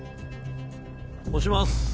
押します。